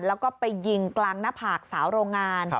แล้วก็ไปยิงกลางหน้าผากสาวโรงงาน